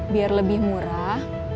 biar lebih murah